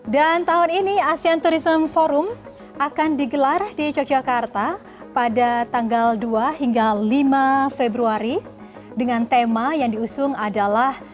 dan tahun ini asean tourism forum akan digelar di yogyakarta pada tanggal dua hingga lima februari dengan tema yang diusung adalah